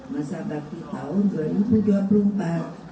masa bakti tahun dua ribu dua puluh empat